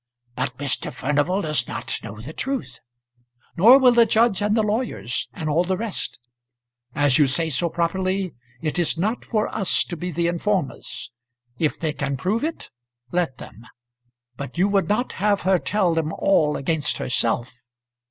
"But Mr. Furnival does not know the truth." "Nor will the judge and the lawyers, and all the rest. As you say so properly, it is not for us to be the informers. If they can prove it, let them. But you would not have her tell them all against herself?"